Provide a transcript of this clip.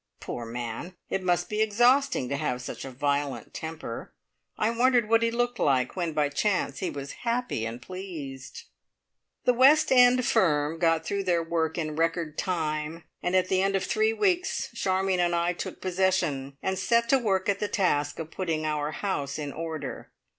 Poor man! It must be exhausting to have such a violent temper. I wondered what he looked like when by chance he was happy and pleased! The West End firm got through their work in record time, and at the end of three weeks Charmion and I took possession, and set to work at the task of putting our house in order.